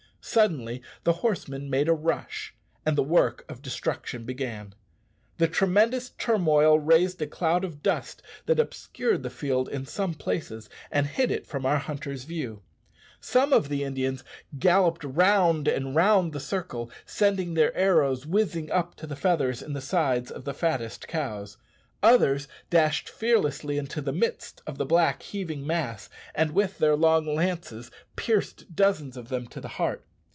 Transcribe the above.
Suddenly the horsemen made a rush, and the work of destruction began. The tremendous turmoil raised a cloud of dust that obscured the field in some places, and hid it from our hunters' view. Some of the Indians galloped round and round the circle, sending their arrows whizzing up to the feathers in the sides of the fattest cows. Others dashed fearlessly into the midst of the black heaving mass, and, with their long lances, pierced dozens of them to the heart.